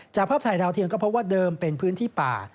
จากภาพไทยดาวเทียงก็เพราะว่าเดิมเป็นพื้นที่ป่า